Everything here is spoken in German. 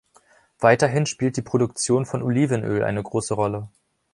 Weiterhin spielt die Produktion von Olivenöl eine große Rolle.